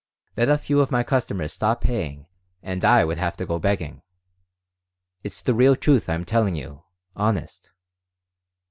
Let a few of my customers stop paying and I would have to go begging. It's the real truth I am telling you. Honest."